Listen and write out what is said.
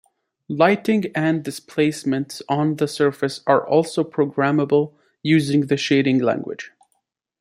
Lighting, and displacements on the surface, are also programmable using the shading language.